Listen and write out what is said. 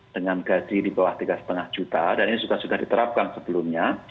dengan gaji di bawah tiga lima juta dan ini juga sudah diterapkan sebelumnya